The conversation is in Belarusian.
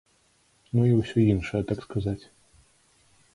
Ну і ўсё іншае, так сказаць.